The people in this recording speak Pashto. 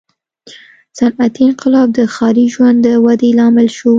• صنعتي انقلاب د ښاري ژوند د ودې لامل شو.